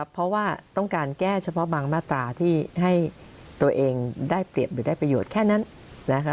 เพราะว่าต้องการแก้เฉพาะบางมาตราที่ให้ตัวเองได้เปรียบหรือได้ประโยชน์แค่นั้นนะคะ